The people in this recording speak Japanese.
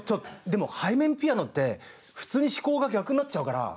でも背面ピアノって普通に思考が逆になっちゃうから。